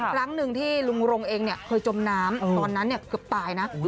ครั้งหนึ่งที่ลุงรงเองเคยจมน้ำตอนนั้นเกือบตายนะ